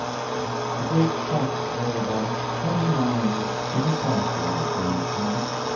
The great tract lay about twenty nines to the southward of Jamestown.